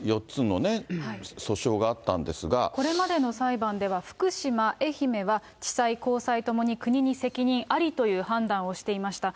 今回、これまでの裁判では福島、愛媛は地裁、高裁ともに国に責任ありという判断をしていました。